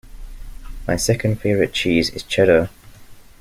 My second favourite cheese is cheddar.